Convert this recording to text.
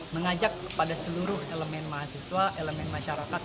mengajak kepada seluruh elemen mahasiswa elemen masyarakat